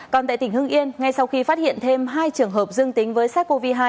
còn tại tỉnh hưng yên ngay sau khi phát hiện thêm hai trường hợp dương tính với sars cov hai